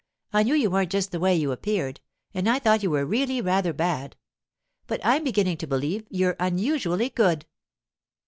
I knew you weren't just the way you appeared, and I thought you were really rather bad; but I'm beginning to believe you're unusually good.